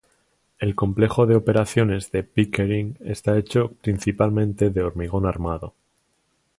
El Complejo de Operaciones de Pickering está hecho principalmente de hormigón armado.